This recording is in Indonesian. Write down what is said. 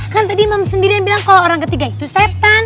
kan tadi imam sendiri yang bilang kalau orang ketiga itu setan